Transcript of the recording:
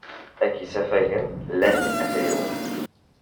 Akk isafagen lan afriwen.